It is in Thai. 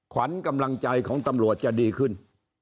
ขวัญกำลังใจของตำรวจจะดีขึ้น